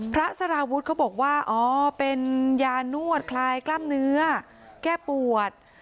สารวุฒิเขาบอกว่าอ๋อเป็นยานวดคลายกล้ามเนื้อแก้ปวด